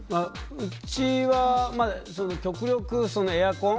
うちは極力、エアコン。